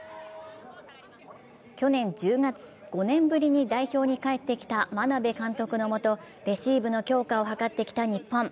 去年１０月、５年ぶりに代表に帰ってきた眞鍋監督のもと、レシーブの強化を図ってきた日本。